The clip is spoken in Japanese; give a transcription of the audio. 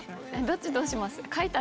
どっちどうします？